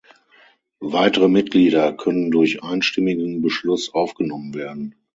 Weitere Mitglieder können durch einstimmigen Beschluss aufgenommen werden.